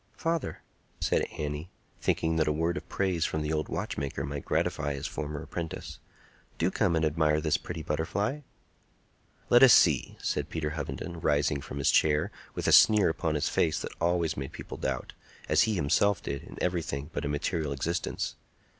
"Father," said Annie, thinking that a word of praise from the old watchmaker might gratify his former apprentice, "do come and admire this pretty butterfly." "Let us see," said Peter Hovenden, rising from his chair, with a sneer upon his face that always made people doubt, as he himself did, in everything but a material existence.